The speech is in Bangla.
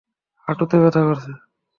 হাঁটুতে ব্যথা করছে?